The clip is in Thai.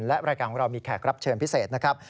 และรายการของเรามีแขกรับเชิญพิเศษนะครับ